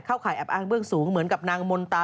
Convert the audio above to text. ข่ายแอบอ้างเบื้องสูงเหมือนกับนางมนตา